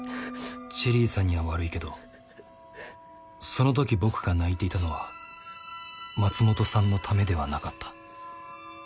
チェリーさんには悪いけどそのとき僕が泣いていたのは松本さんのためではなかった。